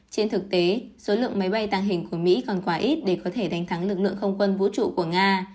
trên thực tế số lượng máy bay tàng hình của mỹ còn quá ít để có thể đánh thắng lực lượng không quân vũ trụ của nga